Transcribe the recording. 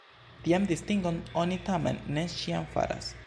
Tian distingon oni tamen ne ĉiam faras.